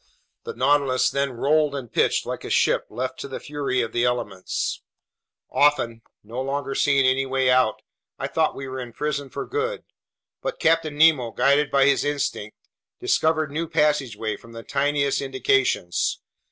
The Nautilus then rolled and pitched like a ship left to the fury of the elements. Often, no longer seeing any way out, I thought we were imprisoned for good, but Captain Nemo, guided by his instincts, discovered new passageways from the tiniest indications.